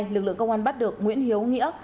lực lượng công an bắt được nguyễn hiếu nghĩa